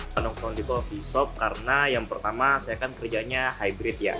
saya nongkrong di coffee shop karena yang pertama saya kerjanya hybrid ya